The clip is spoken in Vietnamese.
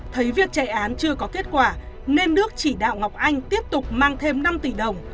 thấy việc chạy án chưa có kết quả nên đức chỉ đạo ngọc anh tiếp tục mang thêm năm tỷ đồng